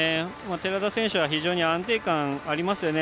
寺田選手は非常に安定感ありますよね。